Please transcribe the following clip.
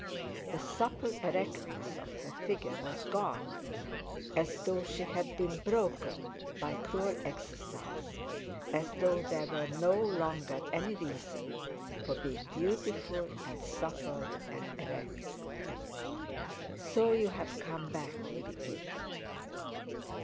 The supple erectness of her figure was gone, as though she had been broken by cruel exercise; as though there were no longer any reason for being beautiful, and supple, and erect. "So you've come back," he repeated.